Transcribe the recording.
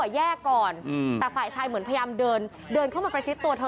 แยกก่อนแต่ฝ่ายชายเหมือนพยายามเดินเดินเข้ามาประชิดตัวเธอ